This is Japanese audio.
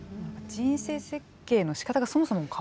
人生設計のしかたがそもそも変わっている。